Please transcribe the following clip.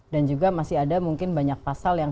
dan juga masih ada mungkin banyak pasal yang